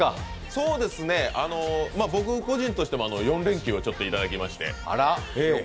そうですね、僕個人としても４連休をいただきまして。